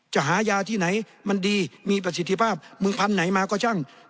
จะหายาที่ไหนมันดีมีประสิทธิภาพมึงพันธุ์ไหนมาก็ช่าง